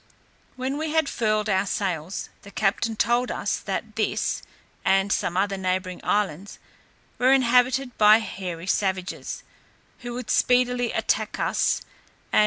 When we had furled our sails, the captain told us, that this, and some other neighbouring islands, were inhabited by hairy savages, who would speedily attack us; and.